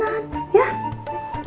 soalnya itu syarat sahnya perkawinan